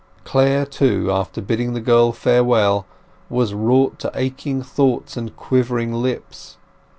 Clare, too, after bidding the girl farewell, was wrought to aching thoughts and quivering lips.